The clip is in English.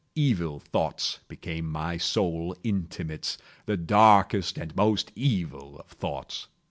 Evil thoughts became my sole intimates—the darkest and most evil of thoughts.